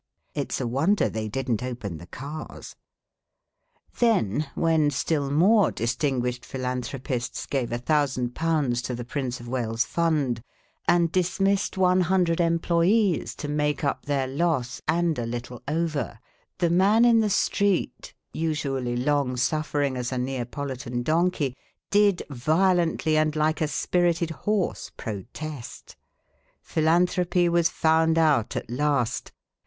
It 's a wonder they didn't open the cars. Then when still more distinguished Philanthropists gave a thousand pounds to the Prince of Wales' Fund and dismissed one hundred employees to make up their loss and a little over, the man in the street, usually long suffering as a Neapolitan donkey, did violently, and like a spirited horse, protest. Philanthropy 84 PHILANTHROPISTS was found out at last.